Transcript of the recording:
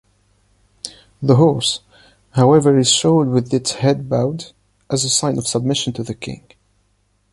The horse, however is showed with its head bowed, as a sign of submission to the king.